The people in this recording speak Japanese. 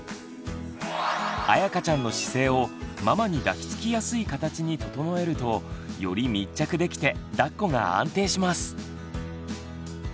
あやかちゃんの姿勢をママに抱きつきやすい形に整えるとより密着できてだっこが安定します。